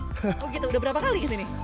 oh gitu udah berapa kali kesini